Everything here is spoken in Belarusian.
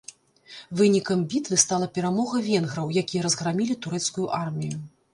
Вынікам бітвы стала перамога венграў, якія разграмілі турэцкую армію.